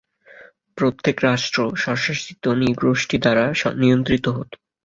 প্রত্যেক রাষ্ট্র স্বশাসিত নৃগোষ্ঠী দ্বারা নিয়ন্ত্রিত হতো।